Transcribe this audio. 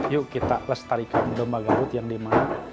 yuk kita lestarikan domba garut yang dimana